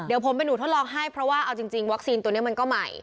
เดี๋ยวผมเป็นหนูทดลองให้เพราะว่าเอาจริงวัคซีนตัวนี้มันก็ใหม่